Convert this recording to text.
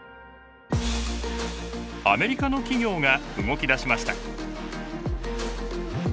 アメリカの企業が動き出しました。